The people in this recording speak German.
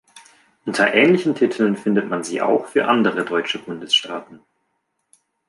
Unter ähnlichen Titeln findet man sie auch für andere deutsche Bundesstaaten.